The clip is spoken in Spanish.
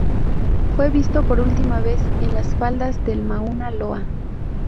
Fue visto por última vez en las faldas del Mauna Loa.